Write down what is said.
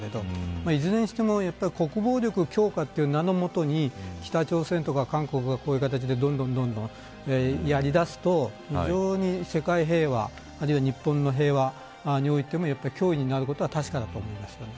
いずれにしても国防力強化という名のもとに北朝鮮とか韓国がこういう形でこのように、どんどんやりだすと非常に世界平和や日本の平和においても脅威になることは確かだと思います。